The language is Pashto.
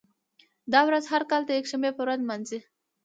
دا ورځ هر کال د یکشنبې په ورځ لمانځي.